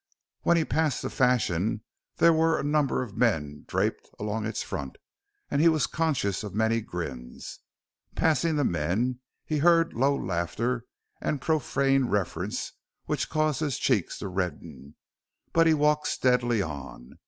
When he passed the Fashion there were a number of men draped along its front; and he was conscious of many grins. Passing the men he heard low laughter and profane reference which caused his cheeks to redden. But he walked steadily on.